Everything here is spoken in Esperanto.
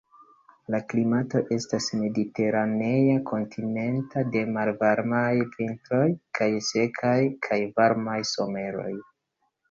La klimato estas mediteranea kontinenta de malvarmaj vintroj kaj sekaj kaj varmaj someroj.